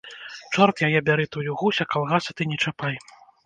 Чорт яе бяры тую гусь, а калгасы ты не чапай!